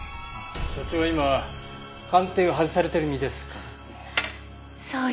所長は今鑑定を外されてる身ですからね。